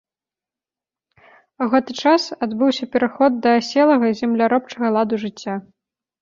У гэты час адбыўся пераход да аселага земляробчага ладу жыцця.